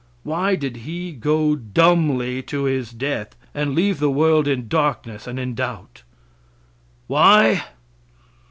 Why did He go dumbly to his death, and leave the world in darkness and in doubt? Why?